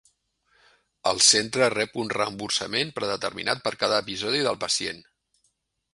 El centre rep un reemborsament predeterminat per cada episodi del pacient.